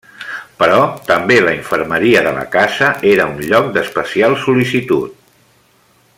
Però també la infermeria de la casa era un lloc d'especial sol·licitud.